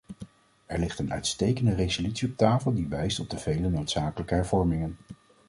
Er ligt een uitstekende resolutie op tafel die wijst op de vele noodzakelijke hervormingen.